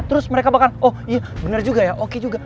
terus mereka bahkan oh iya benar juga ya oki juga